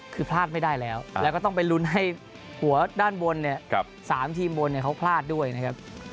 คือพลาดไม่ได้แล้วแล้วก็ต้องไปลุ้นให้หัวด้านบนเนี่ย๓ทีมบนเขาพลาดด้วยนะครับ